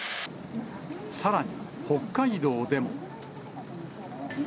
さらに、北海道でも。